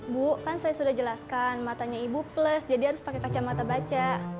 bu kan saya sudah jelaskan matanya ibu plus jadi harus pakai kacamata baca